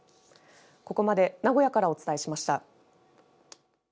ここまで名古屋からお伝えしました。